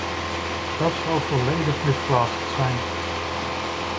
Dat zou volledig misplaatst zijn.